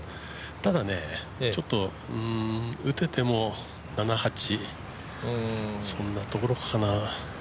ただ、ちょっと打てても７、８そんなところかな。